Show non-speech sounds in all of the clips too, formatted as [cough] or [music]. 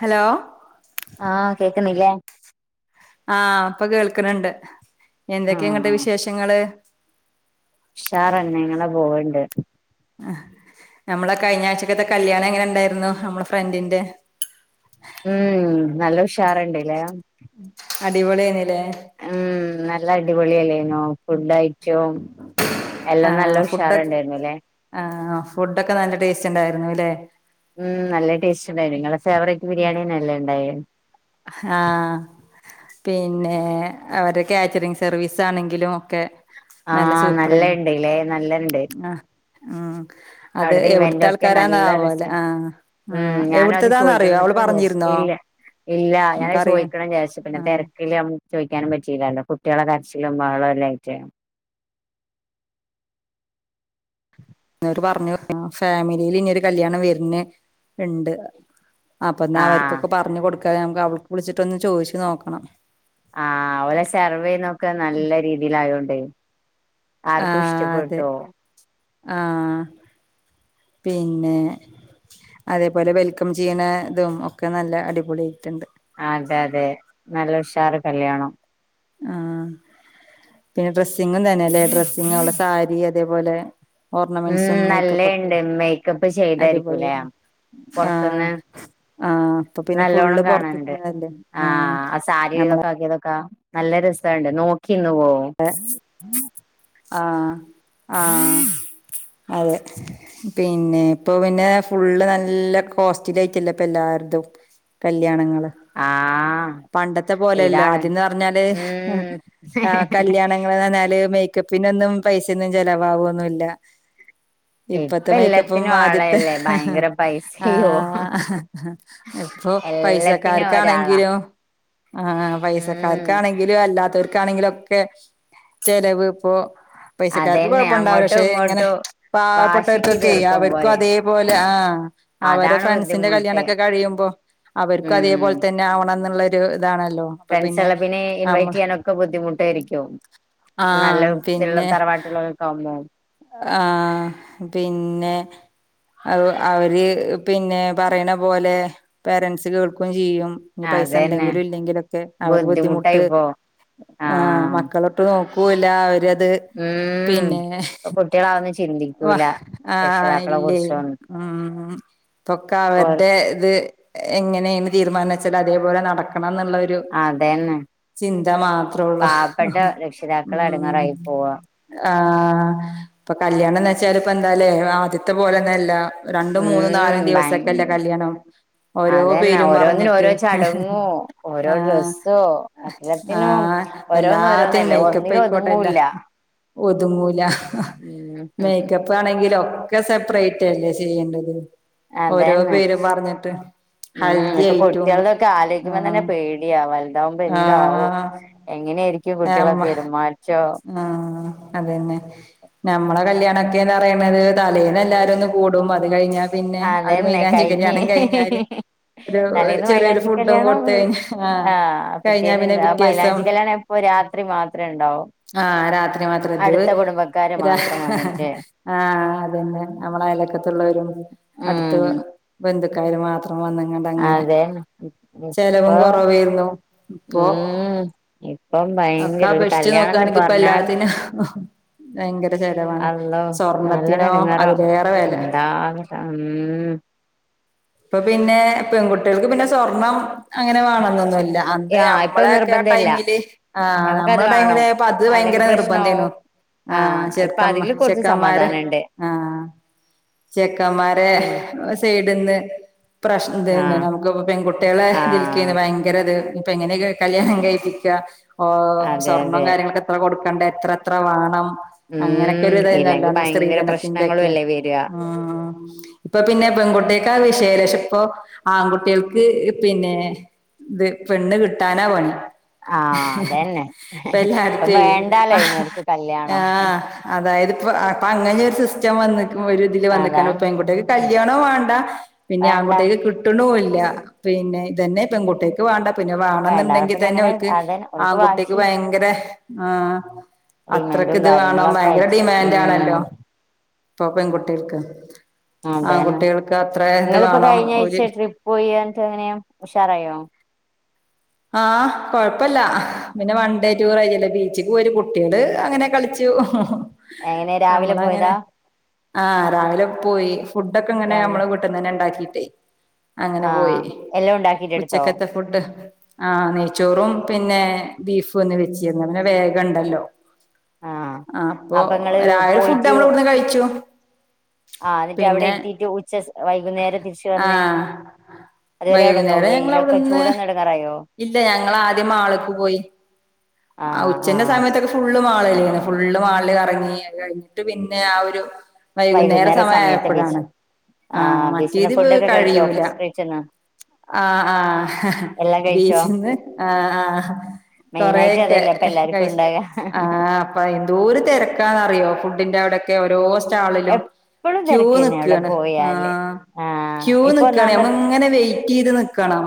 Hello ആഹ് കേക്ന്നില്ലേ? ആഹ് ഇപ്പൊ കേൾക്ണ് ണ്ട് എന്തൊക്കെ ഇങ്ങ്ട്ട് ആഹ് വിശേഷങ്ങള്? ഷാറന്നേ ഇങ്ങനെ പോവ്ണ്ട്. അഹ്, ഞമ്മളെ കഴിഞ്ഞാഴ്ചക്കത്തെ കല്യാണം എങ്ങനെണ്ടായിരുന്നു ഹമ്മളെ ഫ്രണ്ടിന്റെ? ഉം നല്ല ഉഷാറ്ണ്ട്ല്ലേ? അടിപൊളീ ആയിനീലേ ഉം നല്ല അടിപൊളിയല്ലേന്നൂ ഫുഡായിട്ടും എല്ലാം നല്ല ആഹ് ഫുഡൊക്ക്‌ ഉഷാറ്ണ്ടായിരുന്നുല്ലേ ആഹ് ഫുഡൊക്കെ നല്ല ടേസ്റ്റ് ഇണ്ടായിരുന്നൂല്ലെ? ഉം നല്ല ടേസ്റ്റ് ഇണ്ടായിനു ഇങ്ങളെ ഫേവറേറ്റ് ബിരിയാണിനെല്ലേ ഇണ്ടായേ ആഹ് പിന്നെ അവരെ കാറ്ററിങ് സർവീസ് ആണെങ്കിലും ഒക്കെ ആഹ് നല്ല ഇണ്ട്ല്ലേ നല്ലണ്ട്. ആഹ് ഉം അത് അവിട്ത്തെ എവിടുത്തെ ഇവന്റൊക്കെ നല്ല ആൾക്കാരാന്നാവോലെ രസണ്ട് ആഹ് ഉം ആഹ് ഞാനും അത് എവിടുത്തതാന്നറിയോ ചൊയ്ക്കണന്നൊക്കെ അവള് ക്കണം വിചാരിച്ചു പറഞ്ഞിരുന്നോ ഇല്ല ഇല്ല ഞാനത് നമുക്കറിയ ചോദിക്കണം വിചാരിച്ച് പിന്നെ ആഹ് തെരക്കില് ചോയിക്കാനും പറ്റിയിലാല്ലോ കുട്ടികളെ കരച്ചിലും ബഹളോം എല്ലായ്ട്ട്. അവര് പറഞ്ഞു പിന്നെ ഫാമിലീല് ഇനിയൊരു കല്യാണം വര്ണ് ഇണ്ട്. അപ്പൊ ഇന്നാ ആഹ് അവര്ക്കൊക്കെ പറഞ്ഞ് കൊടുക്കാന് ഞമ്മക്ക് അവൾക്ക് വിളിച്ചിട്ടൊന്ന് ചോദിച്ചു നോക്കണം. ആഹ് സെർവേയ്ന്നൊക്കെ നല്ല രീതിയിലായോണ്ടേ ആർക്കും ആഹ് അതെ ഇഷ്ടപ്പെട്ടോവും. ആഹ് പിന്നെ അതേപോലെ വെൽക്കം ചെയ്യ്ണ ഇതും ഒക്കെ നല്ല അടിപൊളിയ്ട്ട്ണ്ട്. ആഹ് അതെതേ നല്ല ഉഷാറ് കല്യാണം. ആഹ് പിന്നെ ഡ്രസ്സിങ്ങും തന്നേല്ലേ ഡ്രസ്സിങ്ങും ഓളെ സാരി അതേപോലെ ഉം ഓർണമെൻസും മേക്കപ്പൊക്കെ നല്ലേണ്ട് മേക്കപ്പ് അടി പൊളി ചെയ്തായിരിക്കൂലേ ആര്ന്നു ആഹ് പൊറത്ത്ന്ന് ആഹ് ഇപ്പൊ പിന്നെ ഫുള്ള് നല്ലോണം കാണാനുണ്ട് പൊറത്ത്തല്ലേ? ആഹ് ഞമ്മളെ റ്റിയതൊക്ക നല്ല രസാണ്ട് നോക്കിന്ന് പോവും. ഏഹ് ആഹ് ആഹ് അതെ. പിന്നെ ഇപ്പൊ പിന്നെ ഫുള്ള് നല്ല കോസ്റ്റ്ലി ആയിട്ടല്ലേ ഇപ്പൊ എല്ലാര്ത്തും കല്യാണങ്ങള് ആഹ് പണ്ടത്തെ പോലെല്ലാ ഇതാണ് ആദ്യന്ന് പറഞ്ഞാല് ആഹ് ഉം ആഹ് കല്യാണങ്ങള് എന്ന് പർഞ്ഞാല് മേക്കപ്പിനൊന്നും പൈസൊന്നും ചെലവാവൊന്നുല്ല. ഇപ്പ ഇപ്പത്തെ മേക്കപ്പും എല്ലാത്തിനും ആദ്യത്തെ ആളല്ലേ ഭയങ്കര പൈസയോ ആഹ് ആഹ് ഇപ്പൊ എല്ലാത്തിനും ഒരാളാ പൈസക്കാർക്കാണെങ്കിലും ആഹ് ഉം പൈസക്കാർക്കാണെങ്കിലും അല്ലാത്തോർക്കാണെങ്കിലൊ ക്കെ ചെലവ് ഇപ്പൊ പൈസക്കാർക്ക് അതന്നെ കൊഴപ്പണ്ടാവില്ല അങ്ങോട്ടും പക്ഷെ ഇങ്ങനെ ഇങ്ങോട്ടും വാശിക്ക് പാവപ്പെട്ടവർക്കൊക്കെ തീർക്കും അവർക്കും പോരെ അതേപോലെ ആ അവരെ അതാണ് ഫ്രണ്ട്സിന്റെ ബുദ്ധിമുട്ട് കല്യാണൊക്കെ കഴിയുമ്പോ അവര്ക്കും ഉം അതേപോലെ തന്നെ ആവണംന്ന്ള്ളരു ഇതാണല്ലോ? ഫ്രണ്ട്സെല്ലാം പിന്നെ നമ്മള് ഇൻവൈറ്റ്യ്യാനൊക്കെ ബുദ്ധിമുട്ടായിരിക്കും നല്ല ആഹ് ഇത്ള്ള പിന്നെ തറവാട് ക്കാവുമ്പോ ആഹ് പിന്നെ അവ അവര് പിന്നെ പറയണ പോലെ പേരൻ്റ്സ് കേൾക്കൂം ചെയ്യും. ഇഞ്ഞി അതന്നെ പൈസണ്ടെങ്കിലും ഇല്ലെങ്കിലൊക്കെ അവരെ ബുദ്ധിമുട്ട് ബുദ്ധിമുട്ടായിപ്പോ ആഹ് മക്കള് ള് നോക്കൂല്ല അവരത് ഉം പിന്നെ ഇപ്പൊ കുട്ടികളതൊന്നും വാ ചിന്തിക്കൂല ആഹ് രക്ഷിതാക്കളെ ഇല്ലേയ് കുറിച്ചൊന്നും ഉം ഇപ്പൊക്കെ ഇപ്പൊ അവരുടെ ഇത് എങ്ങനേണ് തീരുമാനച്ചാല് അതേപോലെ നടക്കണന്ന്ള്ളൊരു രു അതന്നെ ചിന്ത മാത്രൊള്ളൂ പാവപ്പെട്ട രക്ഷിതാക്കൾ ഉം എടങ്ങേറായി പോവാ ആഹ് ഇപ്പൊ കല്യാണംന്ന്ച്ചാല് ഇപ്പൊന്താലേ ആദ്യത്തെ പോലൊന്നല്ല. രണ്ടും മൂന്നും നാലും ഉം ദിവസൊക്കെല്ലേ ഭയ കല്യാണം ഓരോ അതന്നെ പേരും ഓരോന്നിനും പറഞ്ഞിട്ട് ഓരോ ചടങ്ങോ ഓരോ ആഹ്. ഡ്രസ്സോ എല്ലാത്തിനും ആഹ് ഓരോന്ന് എല്ലാത്തിം ഓരോന്നല്ലേ ഒന്നിലും മേക്കപ്പയ്ക്കോട്ടല്ല ഒതുങ്ങൂല്ല ഒതുങ്ങുല ഉം മേക്കപ് പ്പാണെങ്കിലൊക്കെ സെപ്രേറ്റല്ലേ ചെയ്യേണ്ടത് ഓരോ അതെന്നെ പേരും പറഞ്ഞിട്ട് ഉം ഹൽദി ഇപ്പൊ ആയിട്ടും കുട്ട്യാൾക്കൊക്കെ ആലോയ്ക്കുമ്പോ തന്നെ ആഹ് പേടി പേടിയാ വൽതാവുമ്പോ എന്താവും ആഹ് എങ്ങനെയിരിക്കും കുട്ട്യളെ ആഹ് പെരുമാറ്റം ആഹ് അതെന്നെ ഞമ്മളെ കല്യാണക്കെന്നറിയണത് തലേന്ന് എല്ലാരൊന്ന് കൂടും അത് കഴിഞ്ഞാ പിന്നെ ആ ഒരു അതന്നെ മൈലാഞ്ചി കഴിഞ്ഞ് കല്യാണം കഴിഞ്ഞാല് ഒരു തലേന്ന് ചെറിയൊരു മൈലാഞ്ചി ഫുഡും കല്യാണം കൊടുത്തഴ്ഞ്ഞാല് ആഹ് കയിഞ്ഞാ പിന്നെ പിറ്റേന്ന് പിറ്റേസം മൈലാഞ്ചി കല്യാണം എപ്പോ രാത്രി മാത്രേ ഉണ്ടാവൂ ആഹ് രാത്രി മാത്രം അടുത്ത കുടുംബക്കാര് എതും മാത്രം വന്നിട്ട് ആഹ് അതന്നെ നമ്മളഅയലക്കത്തുള്ളോരും അടുത്ത ഉം ബന്ധു ക്കാര് മാത്രം വന്ന്ങ്ങാണ്ടങ്ങനെ അതെ ചെലവും ഇപ്പൊ കൊറവെയ്ന്നു ഇപ്പൊ ഉം ഇപ്പം ഭ ഒക്കെ അപേക്ഷിച്ച് നോക്കാണെങ്കിപ്പെല്ലാത്തിനും ഭയങ്കര ചെലവാണ് അള്ളോ നല്ലോണം സ്വർണത്തിനോ അതിലേറെ വെല അം ഇപ്പൊ പിന്നെ പെൺകുട്ടികൾക്ക് പിന്നെ സ്വർണം അങ്ങനെ വേണംന്നൊന്നുല്ല അന്ന് ആ ഇപ്പൊ ഞമ്മളൊക്കെ ആ നിർബന്ധല്ല ടൈമില് ആഹ് നമുക്കത് നമ്മളെ വേണം ടൈമില് പ്പത് അല്ലെങ്കിൽ ഭയങ്കര നിർബന്ധെനു പ്രശ്നാവും ആഹ് ഇപ്പൊ ചെർക്കമ്മ അതില് കുറച്ച് ചെക്കമ്മാരെ സമാധാനണ്ട് ആഹ് ചെക്കന്മാരെ ആഹ് സൈഡിന്ന് പ്രശ്നം തന്നെണ് നമുക്ക്പ്പൊ പെൺകുട്ട്യാളെതിൽക്കിന്ന് ആഹ് ഭ ഭയങ്കരത് പ്പെങ്ങനെലൊരു കല്ല്യാണം കഴിപ്പിക്ക ഓഹ് അതെ സ്വർണം അതെ കാര്യങ്ങളൊക്കെ എത്ര കൊടുക്കണ്ടെ എത്ര എത്ര വാണം അങ്ങനൊക്കൊരു ഉം ഇതയ്ന്നല്ലോ ഇല്ലെങ്കി അന്ന് ഭയങ്കര പ്രശ്നങ്ങളും സ്ത്രീധനത്തിന്റെക്കെ അല്ലേ വരാ ഉം ഇപ്പൊ പിന്നെ പെൺകുട്ട്യെക്കാ വിശയലേഷം ഇപ്പൊ ആൺകുട്ട്യേക്ക് പിന്നെ ഇത് പെണ്ണ് കിട്ടാനാ പണി ആഹ് അതന്നെ ഇപ്പം പ്പെല്ലാര്‌ക്കേ വേണ്ടാലോ അയിനോർക്ക് കല്യാണം ആഹ് അതായത്പ്പോ ഇപ്പങ്ങനിം ഒരു സിസ്റ്റം വന്ന്ക്കുമ്പഴ് രു തീല് വന്ന്ക്കാണ് അതാണ് പെങ്കുട്ട്യാക്ക് ഉം കല്യാണോം വാണ്ട പിന്നിം വേണ്ട ആങ്കുട്ട്യാക്ക് കിട്ട്ണുല്ല്യ പിന്നെ ഇതന്നെ പെങ്കുട്ട്യ ക്ക് വാണ്ടപിന്നെ വേണ്ടാ പിന്നെ വാണംന്നുണ്ടെങ്കിതന്നെ എങ്ങനെ ഓൽക്ക് അതന്നെ ഓൾക്ക് ആങ്കുട്ടിക്ക് വാശി ഭയങ്കര ആഹ് ഡിമാൻഡും അത്രക്ക്ത് വേണോ കാര്യങ്ങളൊക്കെ ഭയങ്കര ആയിട്ട് ഉം ഡിമാൻഡാണല്ലോ ഇപ്പൊ പെങ്കുട്ടേൾക്ക് അതന്നെ ആങ്കുട്ടേൾക്ക് അത്ര ഇത് വാണം ഒരു പോയേന്ന്ട്ട്ങ്ങനെയെ ഉഷാറായോ? ആഹ് കൊഴപ്പല്ല പിന്നെ വൺ ഡേ ടൂറായ്ര്യല്ലേ ബീച്ചിക്ക് പോരും കുട്ട്‌യേള് അങ്ങനെ കളിച്ച് എങ്ങനെ രാവിലെ പോയതാ നമ്മളങ്ങനെ ആഹ് രാവിലെ പോയി ഫുഡൊക്കെങ്ങനെ രാവിലെ നമ്മള് ഇ വട്ന്നന്നെണ്ടാക്കിട്ടേ അങ്ങനെ പോയി ആഹ് എല്ലാം ഉണ്ടാക്കിട്ട് എടുത്തോ ഉച്ചക്കത്തെ ഫുഡ് ആഹ് നെയ്ച്ചോറും പിന്നെ ബീഫും ഇന്ന് വെച്ചിര്ന്നു ങ്ങനെ വേഗണ്ടല്ലോ ആഹ് ആഹ്പ്പൊ അപ്പൊ നിങ്ങള് രാവിലെ ഫുഡ് പോയിട്ട് നമ്മളവിട്ന്ന് കഴിച്ചു ആഹ് എന്നിട്ട് അവിടെ പിന്നെ എത്തീട്ട് ഉച്ചസ് വൈകുന്നേരം തിരിച്ചു വന്നേ ആഹ് അതുവരെ അവിടെന്നോ വൈകുന്നേരം ഞങ്ങൾ വെയിലൊക്കെ അവിടുന്ന് ചൂടെന്ന് എട്ങ്ങേറായോ? ഇല്ല ഞങ്ങളാദ്യം മാള്ക്ക് പോയി ആഹ് ഉച്ചന്റെ സമയത്തൊക്കെ ഫുള്ള് മാളിലേനി ഫുള്ള് മാൾൽ കറങ്ങി കഴിഞ്ഞിട്ട് പിന്നെ ആ ഒരു വൈകുന്നേര വൈകുന്നേരം സമയത്ത് ബീച്ച് സമയായപ്പഴാണ് ആഹ് മറ്റേതി കഴിയൂല പീച്ചന്ങാ ആഹ് ആഹ് കഴിച്ചോ ബീച്ച്ന്ന് ആഹ് ആഹ് മെയിനായിട്ട് കൊറേക്കെ അതല്ലേ ഇപ്പ എല്ലാർക്കും കഴ്ച് ഉണ്ടാക ആഹ് പ്പൊ എന്തോരു തിരക്കാന്നറിയോ ഫുഡിന്റെ അവിടെക്കെ ഓരോ സ്റ്റാളിലും എപ്പഴും ക്യൂ തിരക്കന്നെ അവിടെ നിക്കാണ് ആ പോയാല് ആഹ് ക്യൂ ഇപ്പൊ നിക്കാണ് ഒന്നാമ നമ്മ്ൾങ്ങനെ വെയ്റ്റ് ത് നിക്കണം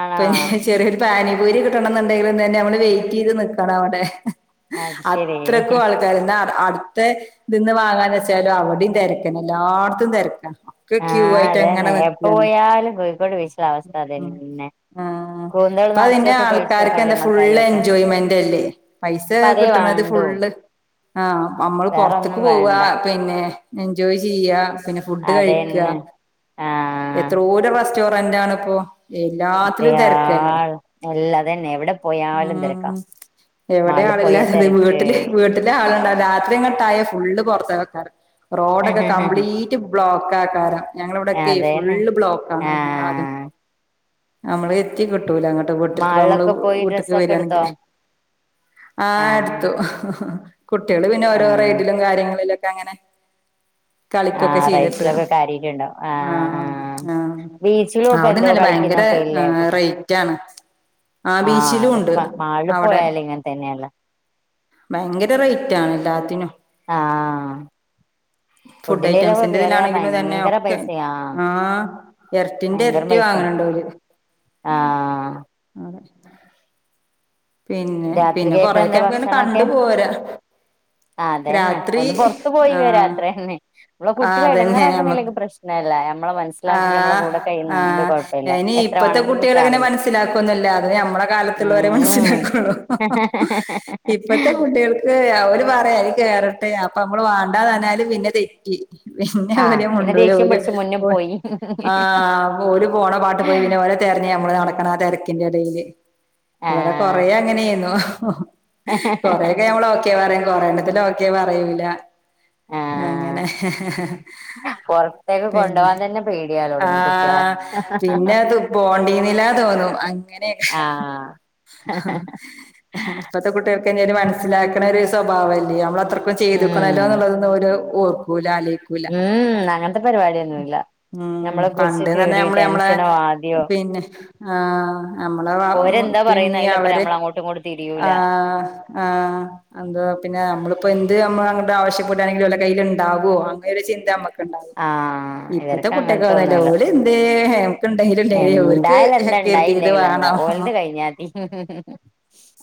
ആണോ ചെറിയൊരു പാനി പൂരി കിട്ടണം എന്നുണ്ടെങ്കിലുംന്നെ നമ്മള് വെയിറ്റ് ചെയ്ത് നിക്കണം അവിടെ അത് ശരി അത്രയ്ക്കും ആൾക്കാർന്താ മത്തെ ഇതിന്ന് വാങ്ങാന്ന് വെച്ചാലും അവിടെയും തിരക്കന്നെ എല്ലായിടത്തും തിരക്കാ ഒക്കെ ക്യൂ ആഹ ആയിട്ട് അത അങ്ങനെ തന്നെ എപ്പ നിക്കാണ് പോയാലും കോഴിക്കോട് ബീച്ചുള്ള അവസ്ഥ അതന്നെ ആ കൂന്തൾ അപ്പൊ അതിന്റെ നിറച്ചൊക്കെ കഴിച്ചോ ആൾക്കാർക്ക് എന്താ ഫുള്ള് കല്ലുമ്മക്കായ ഒക്കെ എൻജോയ്മെന്റ് അല്ലേ പൈസ അപ്പൊ അതേ കിട്ടണത് വേണ്ടു ഫുള്ള് ആഹ് നമ്മള് പുറത്തേക്ക് വേറൊന്നും പോവ വേണ്ട പിന്നെ എൻജോയ് ചെയ്യ പിന്നെ ഫുഡ് കഴിക്ക അതന്നെ ആഹ് എത്രോര റെസ്റ്റോറന്റ്ണ ഇപ്പോ എല്ലാത്തിലും തിരക്കല്ലേ എല്ലാതന്നെ എവിടെ പോയാലും തിരക്കാ ഉം എവിടെ മാളിൽ ആളില്ല പോയാ തിരക്ക് വീട്ടില് വീട്ട രാത്രി അങ്ങോട്ടായ ഫുള് പുറത്ത വെക്കാറ് റോഡൊക്കെ കപ്ലീറ്റ് ബ്ലോക്ക് ആക്കാരം ഞങ്ങള ഇവിടെൊക്കെ അതന്നെ ഫുള് ബ്ലോക്ക് ആണ് അതും ആഹ് നമ്മള് എത്തി കിട്ടൂല അങ്ങട്ട് കേ വട്ടി നമ്മള് മാളിലൊക്കെ പോയി വീട്ടക്ക് ഡ്രസ്സൊക്കെ എടുത്തോ വരുയാണെങ്കില്േ ആഹ് എടുത്തു കുട്ട്യാള് പിന്നെ ഓരോ ആഹ് റെയ്ഡിലും കാര്യങ്ങളിലൊക്കെ അങ്ങനെ ആ കളിക്കൊക്കെ ചെയ്തിട്ട് റൈഡ്സിലൊക്കെ കാര്യായിട്ടുണ്ടാവും ആ ആ ആഹ് ആഹ് ബീച്ചിലും ഇപ്പൊ എന്തോ അവിടന്നല്ലേ ഭയങ്കര കളിക്കുന്നൊക്കെ ഇല്ലേ ആഹ് കുട്ടി. റൈറ്റ് ആണ് ആഹ് ആ ബീച്ചിലും അതൊക്കെ ഉണ്ട് മാളില് അവിടെ പോയാല് ഇങ്ങനെ തന്നെയല്ലേ ഭയങ്കര റേറ്റ് ആണ് എല്ലാത്തിനും ആ ഫുഡ് ഫുഡിന്റെലൊക്കെ ഐറ്റംസിന്റെ കേയറിയാ ഇതിലാണെങ്കിലും തന്നെ ഭയങ്കര ഒക്കെ പൈസയാ ആഹ് ഇരട്ടിന്റെ ഭയങ്കര ഇരട്ടി പൈസയാ വാങ്ങണുണ്ട് ആഹ് അതെ പിന്നെ പിന്നെ രാത്രികേക്ക് കൊറൊക്കെ എന്താ നമക്ക്ങ്ങനെ കണ്ടു പോരാ ആഹ് അതന്നെ രാത്രി ഒന്ന് പുറത്തത്ത് പോയി ആഹ് വേരാത്ര തന്നെ നമ്മള ആഹ് കുട്ടികളെ അതന്നെ നമ്മക്ക് ഇടങ്ങാറാക്കുന്നതിലൊക്കെ പ്രശ്നം ഇന്നല്ല നമ്മെ മനസ്സിലാക്കിട്ട് നമ്മള ആഹ് കൂടെ ആഹ് കഴ്യുന്നാണെങ്കിൽഴപ്പല്ല എത്ര വേണങ്കിലും ട്രാവല് മനസ്സിലാക്കന്നല്ല അത് നമ്മടെ കാലത്തുള്ളവരെ ഉം മനസിലാക്കുള്ളൂ ഇപ്പത്തെ കുട്ടികൾക്ക് അവര് പറയാല് കേയറട്ടെ അപ്പൊ നമ്മള് വാണ്ടാതന്നാല് പിന്നെ തെറ്റി പിന്നെ ആ ഒര് പിന്നെ മുണ്ടൂല ദേഷ്യം ഒര് പിടിച്ച് മുന്നിൽ പോയി ആഹ് ഒരു പോണ പാട്ട് പോയി പിന്നെ ഓലെ തിരഞ്ഞ നമ്മള് നടക്കണ ആ തിരക്കിന്റെ ഇടയില് ഇവിടെ കൊറേ ആഹ് അങ്ങനെെയന്നു കൊറേ ക്കെ നമ്മള് ഓക്കെ പറയും കൊറയണത്തി ക്കെ പറയൂല അങ്ങനെ ആഹ് പുറത്തേക്ക് പിന്നെ കൊണ്ടുപോകാൻ തന്നെ പേടിയാ തുടങ്ങും കുട്ടികളെ ആഹ് പിന്നെ അത് പോണ്ടീന്നിലാ തോന്നു അങ്ങനെണ് ആഹ് ഇപ്പത്തെ കുട്ടികൾക്ക് ഇ ഒരു മനസ്സിലാക്കണ ഒരു സ്വഭാവല്ലേ നമ്മളത്ര ചെയ്തുക്കണല്ലോ ഉം എന്നുള്ളതന്ന ഓർക്കൂല്ലാല ഉം ഉം അങ്ങനത്തെ പരിപാടിയൊന്നുല്ല ഉം പണ്ട് തന്നെ നമ്മള് മ്മളെ ആദ്യോ പിന്നെ ആഹ് നമ്മളെ ഓരെന്താ പറയുന്ന പിന്നി അതിലപ്പുറം അവരെ നമ്മൾ അങ്ങോട്ടും ഇങ്ങോട്ടും തിരിയൂല ആഹ് ആഹ് എന്തോ പിന്നെ നമ്മളിപ്പോ എന്ത്മ്മ അങ്ങ് ആവശ്യപ്പെട്ടാണെങ്കില വല്ല കയ്യിൽണ്ടാവോ അങ്ങനെ ഒരു ചിന്ത നമ്മക്ക് ആഹ് ഇപ്പത്തെ ഇവർക്ക് കുട്ടിയക്കെ അങ്ങനത്തെ വന്നല്ലേ ഒന്നുമില്ല ഓല് എന്തേ ണ്ടായലണ്ട അവർക്ക് കരുതിയ്ത് വേണോ കയ്ഞ്ഞാതി ഉം ഉം ഉം ഉം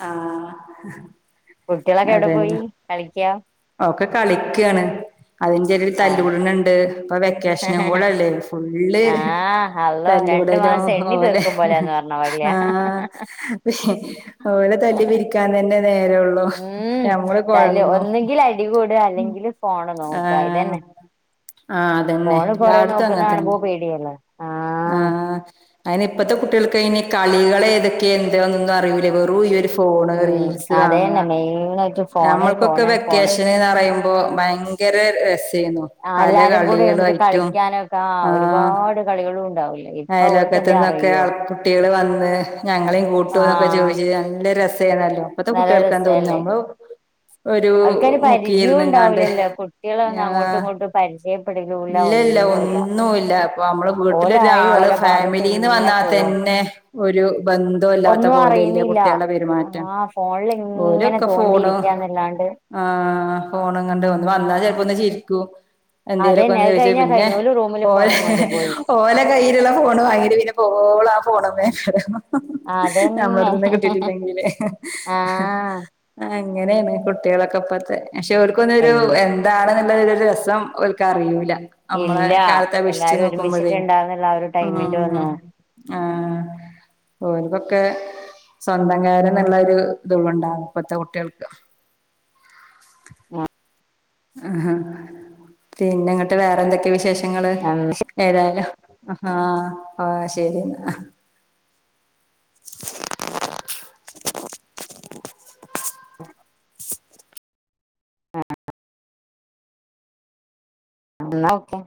ആഹ് ട്ടികളൊക്കെ എവിടെ പോയി കളിക്ക ഒക്കെ കളിക്ക്യാണ് അതിന്റെ ഇടക് ആഹ് തല്ലൂടണണ്ട് പ്പൊ വെക്കേഷനും കൂടെല്ലെ ഫുള്ള് ആഹ് അള്ളോ രണ്ടു തല്ലുടലു മാസം എണ്ണി ഓലെ തീർക്കും പോലെന്ന് പറഞ്ഞ പോലെയാ ആഹ് ഓലെ തല്ലി പിരിക്കാൻ തന്നെ നേര ള്ളു. ഉം ഞമ്മള് തല്ല് കൊയങ്ങു ഒന്നുകിൽ അടി കൂടുക അല്ലെങ്കിൽ ഫോണ് നോക്കുക ആഹ്. ഇതന്നെ ആഹ് അതന്നെ ഫോണ് കൊറേ എല്ലാട്ത്തും നോക്കുന്ന കാണുമ്പോ അങ്ങത്തന്നെ പേടിയല്ലേ ആഹ് അയ്ന് പ്പത്തെ കുട്ടിൾക്ക് ഐന് കളികള് ഏതൊക്കെ എന്ത് ന്നോന്നും അറിയില്ല വെറും ഈ ഒര് ഫോണ് ഉം റീൽസ് കാണ. [unintelligible] നമ്മൾക്കൊക്കെ ഫോണ് ഫോണ് വെക്കേഷന് ന്നറിയുമ്പോ ഭയങ്കര രസേന്നു ആ പല എല്ലാരും കൂടി ഇര്ന്ന്ട്ട് കളികളായിട്ടും കളിക്കാനൊക്കെ ആ ആഹ് ഒരുപാട് കളികളുണ്ടാവും അയലോക്കത്ത്ന്നൊക്കെ കുട്ട്യാള് വന്ന് ഞങ്ങളീം കൂട്ടോന്നൊക്കെ ആഹ് ചോയ്ച്ച് നല്ല രസേന്നല്ലോ പത്തെ നല്ല കുട്ട്യാൾക്കാ തോന്ന് രസല്ലേ ഞമ്മളു ഒരു അവർക്കൊരു പരിചയവും മുക്കിര്ന്ന് ങ്ങാണ്ട് ഉണ്ടാവില്ലല്ലോ കുട്ടികളൊന്നും ഞാ അങ്ങോട്ടും ഇങ്ങോട്ടും പരിചയപ്പെടലൂല്ല ഇല്ലല്ല ഒന്നുല്ല ഇപ്പമ്മള് ഓലായി വീട്ടിലൊരാള് ഓല ഭാഗത്ത് ഫാമിലിന്ന് ഇങ്ങനെ വെന്നാ പോവാ തെന്നെ ഒരു ബന്ധവും ഇല്ലാത്ത പോലല്ലെ കുട്ട്യാളെ പെരുമാറ്റം ആ ഫോൺല്ന് ങ്ങനെ തോണ്ടിയിരിക്കന്നല്ലാണ്ട് ആ ഫോണും കണ്ട് ഒന്ന് വന്നാ ചെൽപ്പൊന്ന് ചിരിക്കും എന്തേലു അതന്നെ പ്പൊന്ന് അത് ചോയ്ച്ച് കഴിഞ്ഞാ പിന്നെ കഴിഞ്ഞു ഓല് റൂമില് ഓലെ ഫോണും കൊണ്ട് പോയി ഓലെ കയ്യിലുള്ള ഫോണ് വാങ്ങിട്ട് പിന്നെ പോവോളം ആ ഫോണ്മ്മേ ക്കാരം അതന്നെ ഞമ്മളെട്ത്ത് ന്ന് കിട്ടിട്ടില്ലെങ്കില് ആഹ് അങ്ങനെണ് കുട്ട്യേളൊക്കെപ്പത്തെ പക്ഷെ ഓര്ക്കൊന്നൊരു എൽ എ താണ്ന്ന് ള്ളൊരു ര് രസം ഓൽക്ക് അറിയൂല അമ്മളെ ഇല്ല കാലത്തപേക്ഷിച്ച് എല്ലാരും നോക്കുമ്പഴേ ഒരുമിച്ചിട്ടുണ്ടാവുന്നുള്ള ആ ഒരു ടൈമിന്റെ ഒന്നും ഉം ആ ഓര്ക്കൊക്കെ സ്വന്തം കാര്യം ന്നുള്ളോരു ത്ങൊണ്ടാ ഇപ്പത്തെ കുട്ട്യാൾക്ക് ആ ആഹാ പിന്നെങ്ങട്ട് വേറെ ന്തൊക്കെ വിശേഷങ്ങള് ഏതായാലും ഹ ഹ ആ ശെരി ന്നാ [inaudible] ആ ന്നാ ഓക്കെ